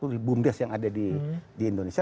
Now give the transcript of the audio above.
empat puluh ribu bumdes yang ada di indonesia